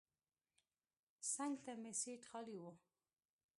څنګ ته مې سیټ خالي و.